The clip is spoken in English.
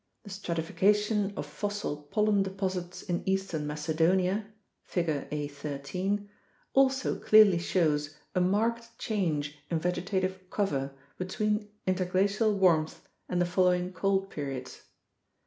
The stratification of fossil pollen deposits in eastern Macedonia (Figure A.13) also clearly shows a marked change in vege tative cover between interglacial warmth and the following cold periods.